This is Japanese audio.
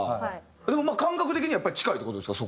感覚的にはやっぱり近いって事ですか？